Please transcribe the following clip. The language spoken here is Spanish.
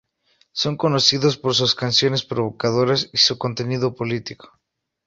Son conocidos por sus canciones provocadoras y su contenido político.